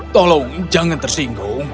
tolong jangan tersinggung